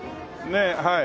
ねえはい。